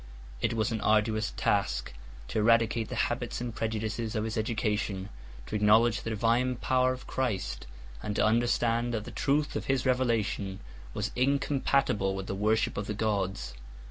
It was an arduous task to eradicate the habits and prejudices of his education, to acknowledge the divine power of Christ, and to understand that the truth of his revelation was incompatible with the worship of the gods.